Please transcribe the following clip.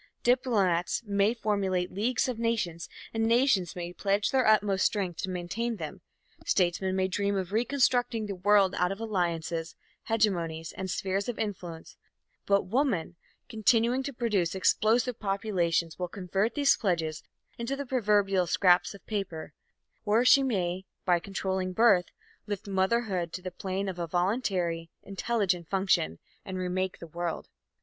Diplomats may formulate leagues of nations and nations may pledge their utmost strength to maintain them, statesmen may dream of reconstructing the world out of alliances, hegemonies and spheres of influence, but woman, continuing to produce explosive populations, will convert these pledges into the proverbial scraps of paper; or she may, by controlling birth, lift motherhood to the plane of a voluntary, intelligent function, and remake the world.